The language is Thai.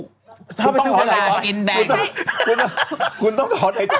คุณต้องขอถ้าไปที่รายกินแบงค์คุณต้องขอไหนจริงก่อน